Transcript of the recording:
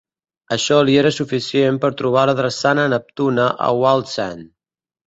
Això li era suficient per trobar la drassana Neptune a Wallsend.